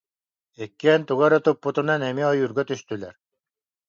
Иккиэн тугу эрэ туппутунан эмиэ ойуурга түстүлэр